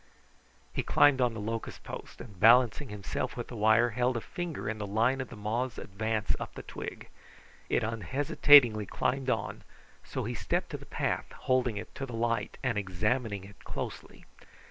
He climbed on the locust post, and balancing himself with the wire, held a finger in the line of the moth's advance up the twig. It unhesitatingly climbed on, so he stepped to the path, holding it to the light and examining it closely.